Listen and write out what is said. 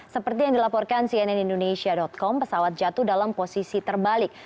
seperti yang dilaporkan cnn indonesia com pesawat jatuh dalam posisi terbalik